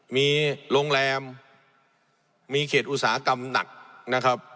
มีโรงแรมมีเขตอุตสาหกรรมหนักนะครับ